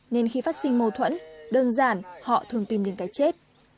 nên khi phát sinh mâu thuẫn đơn giản họ thường tìm đến cái chết